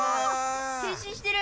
へんしんしてる！